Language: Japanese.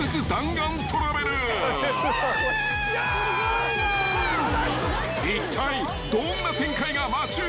［いったいどんな展開が待ち受けているのか］